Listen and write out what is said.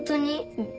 うん。